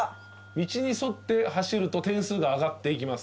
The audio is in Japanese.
「道に沿って走ると点数が上がっていきます」